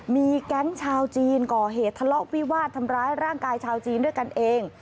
มีแก๊งชาวจีนก่อเหตุทะเลาะวิวาดทำร้ายร่างกายชาวจีนด้วยกันเอง